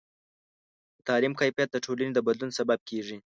د تعلیم کیفیت د ټولنې د بدلون سبب کېږي.